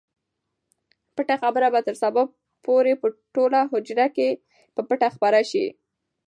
پټه خبره به تر سبا پورې په ټوله حجره کې په پټه خپره شي.